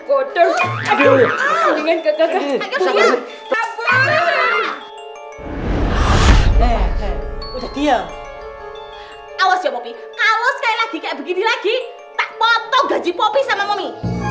udah kira awas ya mopi kalau sekali lagi kayak begini lagi tak potong gaji popi sama mami